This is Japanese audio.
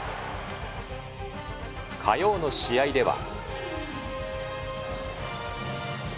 火曜の試合では。